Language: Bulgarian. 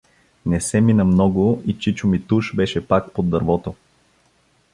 Не се мина много и чичо Митуш беше пак под дървото.